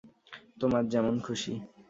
তোমার যেমন খুশি।